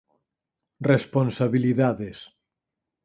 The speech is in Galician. Responsabilidades